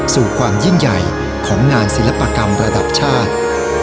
สู่ความยิ่งใหญ่ของงานศิลปกรรมระดับชาติ